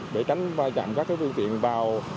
để tránh va chạm các phương tiện vào